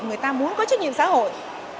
người ta muốn có trách nhiệm xã hội